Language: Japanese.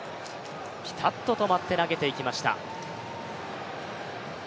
ピタッと止まって投げていきました。